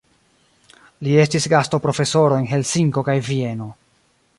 Li estis gastoprofesoro en Helsinko kaj Vieno.